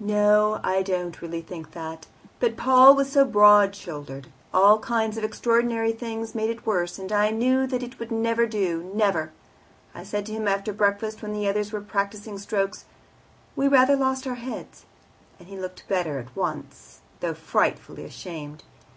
"No, I don't really think that. But Paul was so broad shouldered; all kinds of extraordinary things made it worse, and I knew that it would never do never. I said to him after breakfast, when the others were practising strokes, 'We rather lost our heads,' and he looked better at once, though frightfully ashamed.